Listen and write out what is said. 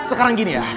sekarang gini ya